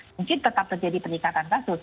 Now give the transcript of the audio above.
mungkin tetap terjadi peningkatan kasus